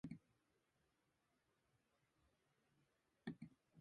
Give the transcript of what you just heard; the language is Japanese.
北海道積丹町